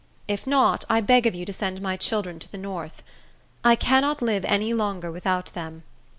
If not, I beg of you to send my children to the north. I cannot live any longer without them.